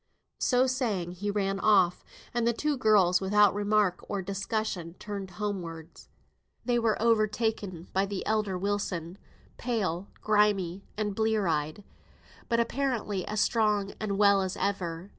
So saying, he ran off; and the two girls, without remark or discussion, turned homewards. They were overtaken by the elder Wilson, pale, grimy, and blear eyed, but apparently as strong and well as ever.